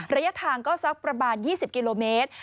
ระยะทางก็สักประมาณ๒๐กิโลเมตร